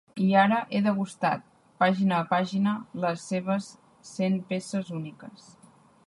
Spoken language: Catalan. I ara he degustat, pàgina a pàgina, les seves cent peces úniques.